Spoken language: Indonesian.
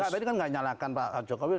nggak tapi kan nggak menyalahkan pak jokowi